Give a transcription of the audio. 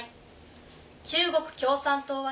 中国共産党は。